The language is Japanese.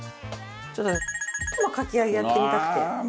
ちょっとのかき揚げやってみたくて。